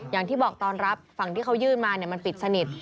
อย่างที่บอกตอนรับฝั่งที่เขายื่นมามันปิดสนิท